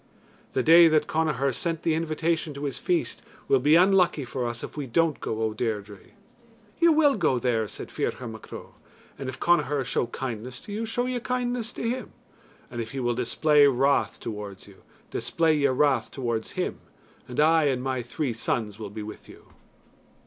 "The day that Connachar sent the invitation to his feast will be unlucky for us if we don't go, O Deirdre." "You will go there," said Ferchar Mac Ro; "and if Connachar show kindness to you, show ye kindness to him; and if he will display wrath towards you display ye wrath towards him, and I and my three sons will be with you."